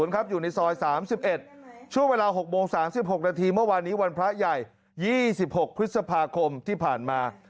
อยู่ในซอย๓๑ช่วงเวลา๖โมง๓๖นาทีเมื่อวานนี้วันพระใหญ่๒๖พฤษภาคมที่ผ่านมา